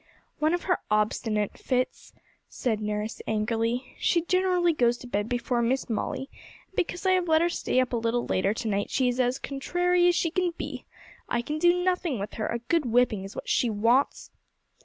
'One of her obstinate fits,' said nurse angrily; 'she generally goes to bed before Miss Molly, and because I have let her stay up a little later to night she is as contrary as she can be! I can do nothing with her, a good whipping is what she wants!'